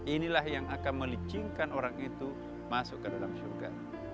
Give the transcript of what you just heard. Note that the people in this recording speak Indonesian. inilah yang akan melicinkan orang itu masuk ke dalam surga